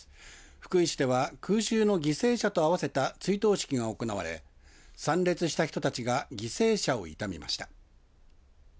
福井市では空襲の犠牲者と合わせた追悼式が行われ参列した人たちが犠牲者を悼みました。